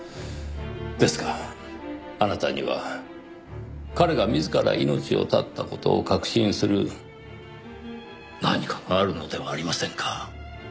ですがあなたには彼が自ら命を絶った事を確信する何かがあるのではありませんか？